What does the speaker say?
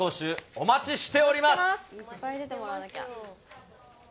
お待ちしております。